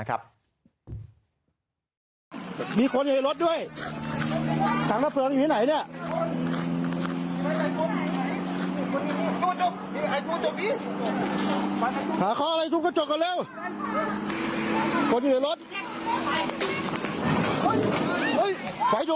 ไฟดูดไฟดูดไฟสลิงสลิงทุบทุบทุบ